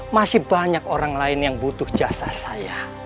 masih banyak orang lain yang butuh jasa saya